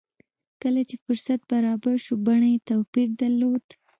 کله چې فرصت برابر شو بڼه يې توپير درلود.